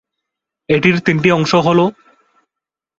এটির তিনটি অংশ হল-